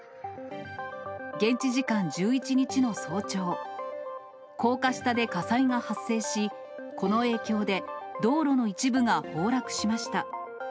現地時間１１日の早朝、高架下で火災が発生し、この影響で、道路の一部が崩落しました。